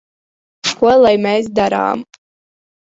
Ko lai mēs darām?